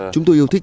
chúng tôi yêu thích